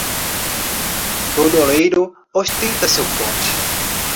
Todo oleiro ostenta seu pote.